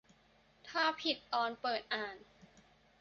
ถ้าผิดตอนเปิดอ่าน